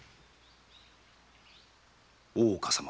大岡様。